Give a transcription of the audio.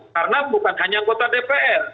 karena bukan hanya anggota dpr